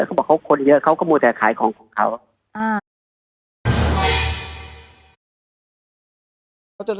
เขาบอกเขาคนเยอะเขาก็มัวแต่ขายของของเขา